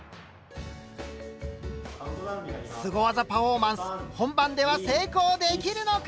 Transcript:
すご技パフォーマンス本番では成功できるのか！？